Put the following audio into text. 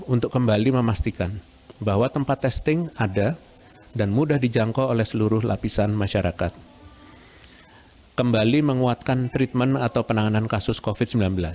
untuk bekerja sama membantu penanganan kasus covid sembilan belas